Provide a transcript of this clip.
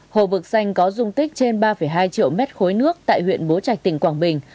hồ vực xanh có dung tích trên ba hai triệu mét khối nước tại huyện bố trạch tỉnh quảng bình